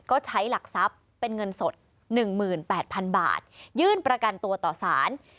ก็ใช้หลักทรัพย์เป็นเงินสด๑๘๐๐๐บาทยื่นประกันตัวต่อสาร